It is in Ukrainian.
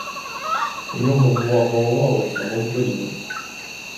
У нього була голова лиса, мов коліно.